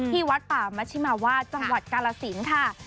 วัดป่ามัชิมาวาดจังหวัดกาลสินค่ะ